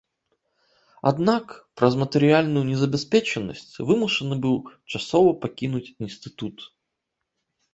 Аднак праз матэрыяльную незабяспечанасць вымушаны быў часова пакінуць інстытут.